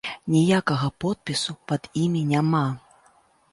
Ніякага подпісу пад імі няма.